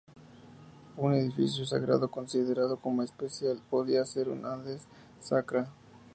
Un edificio sagrado, considerado como especial, podía ser un "aedes sacra".